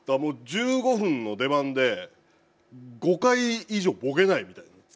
１５分の出番で５回以上ボケないみたいな。